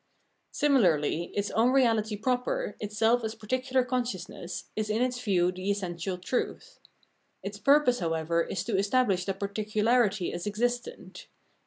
Similarly its own reahty proper, itself as particular consciousness, is in its view the essential truth. Its purpose, however, is to establish that particularity as existent.